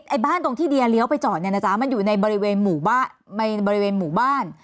ไอ้บ้านตรงที่เรียเลี้ยวไปจอดเนี่ยนะจ๊ะมันอยู่ในบริเวณหมู่บ้าน